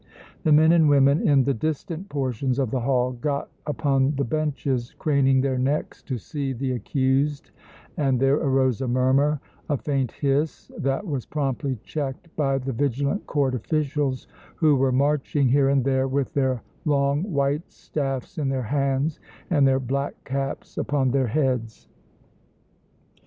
The men and women in the distant portions of the hall got upon the benches, craning their necks to see the accused, and there arose a murmur, a faint hiss, that was promptly checked by the vigilant Court officials who were marching here and there with their long white staffs in their hands and their black caps upon their heads.